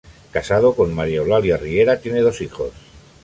Casado con Mª Eulalia Riera, tiene dos hijos.